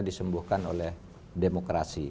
disembuhkan oleh demokrasi